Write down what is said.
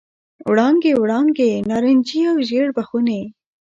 وړانګې، وړانګې نارنجي او ژړ بخونې،